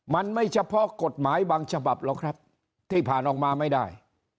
มันไม่เฉพาะกฎหมายบางฉบับหรอกครับที่ผ่านมาไม่ได้